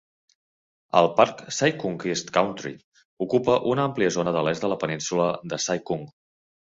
El parc Sai Kung East Country ocupa una àmplia zona de l'est de la península de Sai Kung.